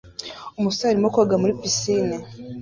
Umusore arimo koga muri pisine